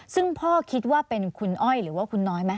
ซึ่งพ่อคิดว่าเป็นคุณอ้อยหรือว่าคุณน้อยไหม